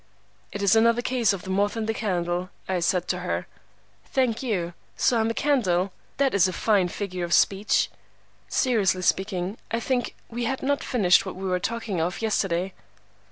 "'It is another case of the moth and the candle,' I said to her. "'Thank you. So I am a candle? That is a fine figure of speech.' "'Seriously speaking, I think we had not finished what we were talking of yesterday.